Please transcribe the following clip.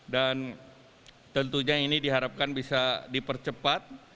dan tentunya ini diharapkan bisa dipercepat